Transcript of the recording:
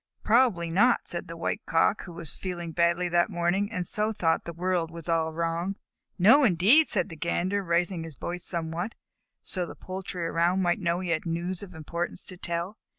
"Probably not," said the White Cock, who was feeling badly that morning, and so thought the world was all wrong. "No indeed," said the Gander, raising his voice somewhat, so that the poultry around might know he had news of importance to tell.